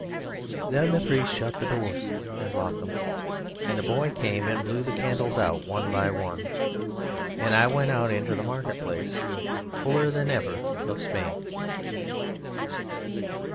Then the priest shut the doors and locked them, and a boy came and blew the candles out one by one, and I went out into the market place, fuller than ever of Spain.